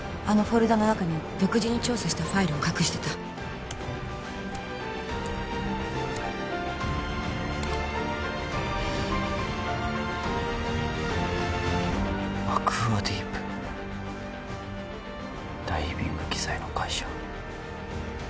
あのフォルダの中に独自に調査したファイルを隠してたアクアディープダイビング器材の会社